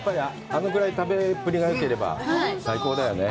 あのくらい食べっぷりがよかったら、最高だよね。